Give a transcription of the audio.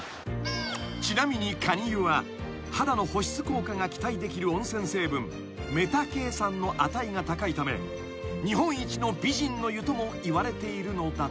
［ちなみに加仁湯は肌の保湿効果が期待できる温泉成分メタけい酸の値が高いため日本一の美人の湯ともいわれているのだとか］